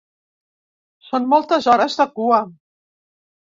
Són moltes hores de cua.